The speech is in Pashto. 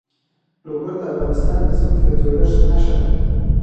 لوگر د افغانستان د ځمکې د جوړښت نښه ده.